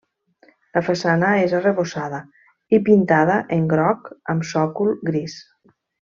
La façana és arrebossada i pintada en groc amb sòcol gris.